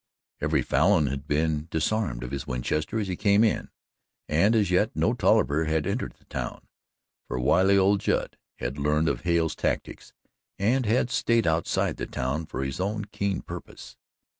Every Falin had been disarmed of his Winchester as he came in, and as yet no Tolliver had entered the town, for wily old Judd had learned of Hale's tactics and had stayed outside the town for his own keen purpose.